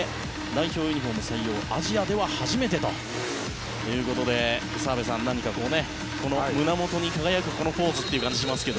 代表ユニホーム採用アジアでは初めてということで澤部さん、何か胸元に輝くこのポーズという感じですが。